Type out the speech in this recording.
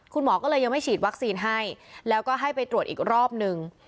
คุณหมอก็เลยยังไม่ฉีดวัคซีนให้แล้วก็ให้ไปตรวจอีกรอบนึง